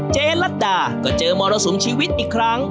ลัดดาก็เจอมรสุมชีวิตอีกครั้ง